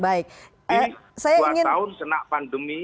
tapi dua tahun senak pandemi